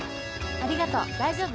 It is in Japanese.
ありがとう大丈夫。